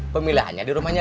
pemilihannya di rumahnya